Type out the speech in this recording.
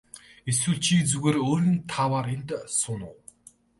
Эсвэл чи зүгээр өөрийн тааваар энд сууна уу.